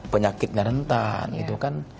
penyakitnya rentan itu kan